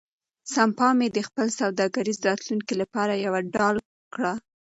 سپما مې د خپل سوداګریز راتلونکي لپاره یوه ډال کړه.